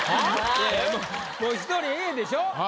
いやいやもう一人Ａでしょ。